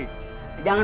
jangan bang jangan